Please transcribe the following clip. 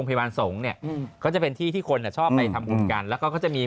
เพิ่งเป็ชี่